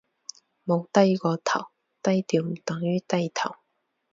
冇低過頭，低調唔等於低頭